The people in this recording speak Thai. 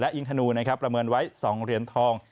อิงธนูนะครับประเมินไว้๒เหรียญทอง